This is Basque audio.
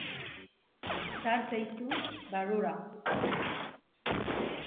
Sar zaitez barrura.